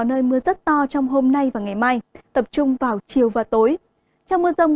nơi mưa thở firebase little big day mưa độ cao nhất về mười tr authority chín mươi tăng